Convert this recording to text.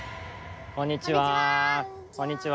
こんにちは。